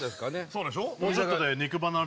そうでしょ